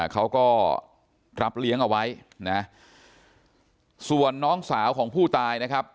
เขาก็รับเลี้ยงเอาไว้นะส่วนน้องสาวของผู้ตายนะครับ